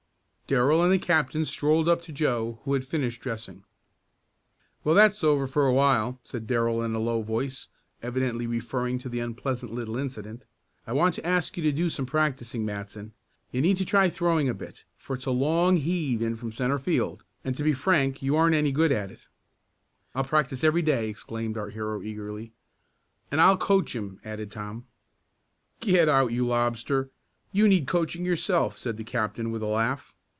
Darrell and the captain strolled up to Joe, who had finished dressing. "Well, that's over, for a while," said Darrell in a low voice, evidently referring to the unpleasant little incident. "I want to ask you to do some practicing, Matson. You need to try throwing a bit, for it's a long heave in from centre field and, to be frank, you aren't any too good at it." "I'll practice every day," exclaimed our hero eagerly. "And I'll coach him," added Tom. "Get out, you lobster, you need coaching yourself," said the captain with a laugh.